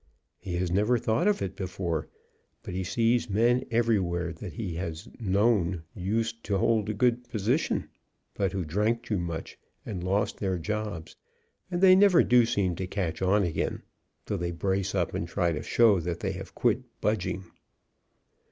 He has never thought of it before, but he sees men everywhere that he knows used to hold good posi tions, but who drank too much, and lost their jobs, and they never do seem to catch on again, though they brace up and try to show that they have quit budging.